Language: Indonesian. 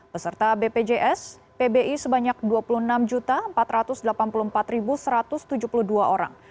peserta bpjs pbi sebanyak dua puluh enam empat ratus delapan puluh empat satu ratus tujuh puluh dua orang